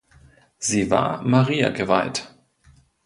Sie war Maria geweiht.